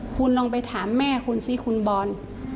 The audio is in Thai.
คุณลองไปถามแม่คุณซิคุณบอล